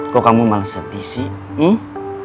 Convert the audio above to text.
kok kamu malah sedih sih